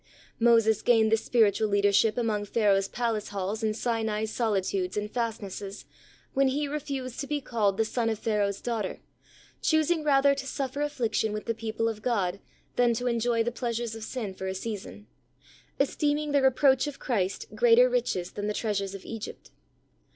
Moses gained this spiritual leadership among Pharaoh's palace halls and Sinai's solitudes and fast nesses, when he "refused to be called the son of Pharaoh's daughter, choosing rather to suffer affliction with the people of God than to enjoy the pleasures of sin for a season; esteeming the reproach of Christ greater riches than the treasures of Egypt."